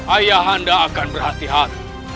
ayah anda akan berhati hati